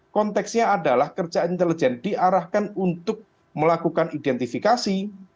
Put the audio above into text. konteksnya adalah kerja intelijen diarahkan untuk melakukan identifikasi